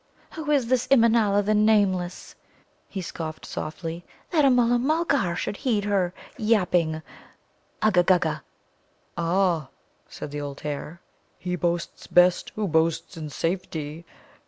"Who is this Immanâla, the Nameless?" he scoffed softly, "that a Mulla mulgar should heed her yapping (uggagugga)?" "Ah," said the old hare, "he boasts best who boasts in safety.